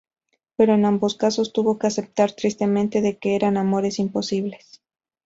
Pero en ambos casos tuvo que aceptar tristemente de que eran amores imposibles.